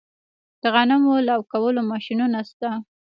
د غنمو لو کولو ماشینونه شته